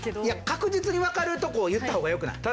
確実にわかるとこを言った方がよくない？